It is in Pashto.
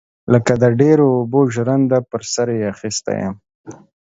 لکه د ډيرو اوبو ژرنده پر سر يې اخيستى يم.